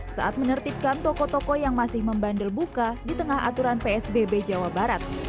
saat menertibkan toko toko yang masih membandel buka di tengah aturan psbb jawa barat